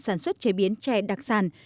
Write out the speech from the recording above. sản xuất trè biến trè đặc sản